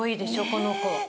この子。